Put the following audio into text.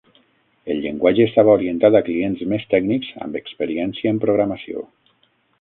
El llenguatge estava orientat a clients més tècnics amb experiència en programació.